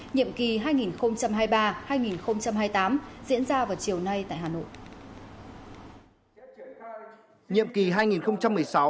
nhiệm kỳ hai nghìn hai mươi ba hai nghìn hai mươi tám diễn ra vào chiều nay tại hà nội